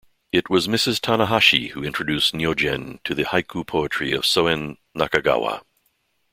It was Mrs. Tanahashi who introduced Nyogen to the haiku poetry of Soen Nakagawa.